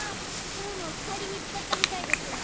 今日も２人見つかったみたいです。